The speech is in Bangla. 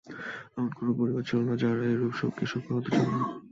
এমন কোন পরিবার ছিল না, যারা এরূপ শোকে শোকাহত ছিল না।